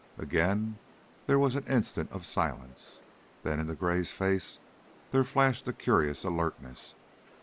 Again there was an instant of silence, then into Gray's face there flashed a curious alertness.